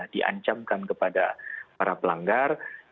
diancamkan kepada para pelanggar